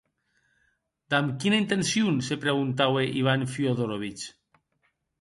Damb quina intencion?, se preguntaue Ivan Fiódorovich.